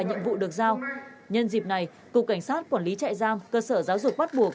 nhiệm vụ được giao nhân dịp này cục cảnh sát quản lý trại giam cơ sở giáo dục bắt buộc